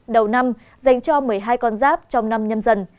đầu năm dành cho một mươi hai con giáp trong năm nhâm dần